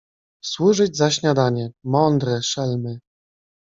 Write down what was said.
służyć za śniadanie. Mądre, szelmy.